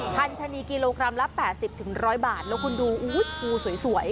พันธนีกิโลกรัมละ๘๐๑๐๐บาทแล้วคุณดูอุ้ยภูสวย